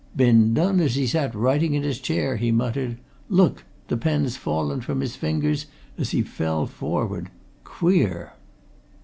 "Been done as he sat writing in his chair," he muttered. "Look the pen's fallen from his fingers as he fell forward. Queer!"